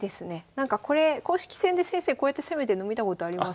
なんかこれ公式戦で先生こうやって攻めてるの見たことあります